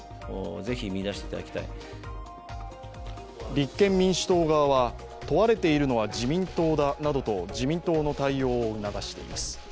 立憲民主党側は、問われているのは自民党などと自民党の対応を促しています。